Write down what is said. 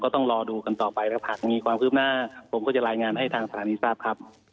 ต้องรอดูกันต่อไปถ้าหากมีความคืบหน้าผมก็จะรายงานให้ทางสถานีทราบครับ